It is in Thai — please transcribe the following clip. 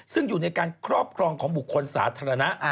ซึ่งอยู่ในการครอบครองของบุคคลสาธารณะ